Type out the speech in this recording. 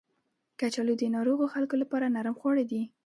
کچالو د ناروغو خلکو لپاره نرم خواړه دي